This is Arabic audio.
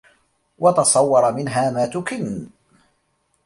وَتَصَوَّرَ مِنْهَا مَا تُكِنُّ